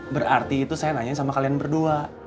berarti itu saya nanyain sama kalian berdua